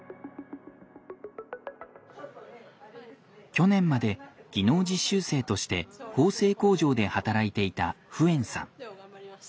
去年まで技能実習生として縫製工場で働いていたフエンさん。